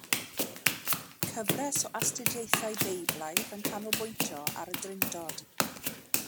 Cyfres o astudiaethau Beiblaidd yn canolbwyntio ar y Drindod.